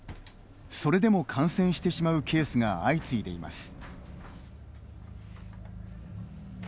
それでも感染してしまうケースが相次いでいます。